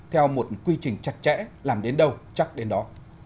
theo một quy trình chặt chẽ làm đến đâu chắc đến đó